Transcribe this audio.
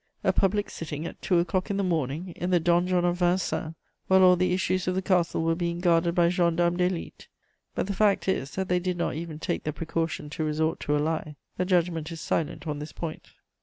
A public sitting at two o'clock in the morning, in the donjon of Vincennes, while all the issues of the castle were being guarded by gendarmes d'élite! But the fact is that they did not even take the precaution to resort to a lie: the judgment is silent on this point.